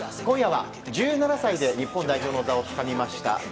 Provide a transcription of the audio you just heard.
今夜は１７歳で日本代表の座をつかみました